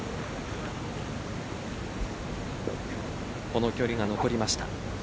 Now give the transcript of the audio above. この距離が残りました。